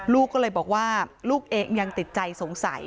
ลูกก็เลยบอกว่าลูกเองยังติดใจสงสัย